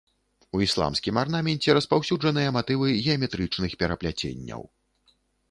У ісламскім арнаменце распаўсюджаныя матывы геаметрычных перапляценняў.